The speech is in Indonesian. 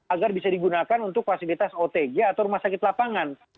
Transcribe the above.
agar bisa digunakan untuk fasilitas otg atau rumah sakit lapangan